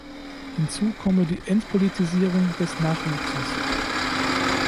Hinzu komme die "Entpolitisierung des Nachwuchses".